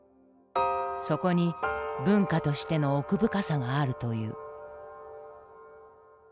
そこに文化としての奥深さがあるという。